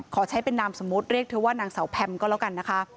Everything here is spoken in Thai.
ขอใช้เป็นนามสมมุติเรียกเธอว่านางสาวแพมก็แล้วกันนะคะ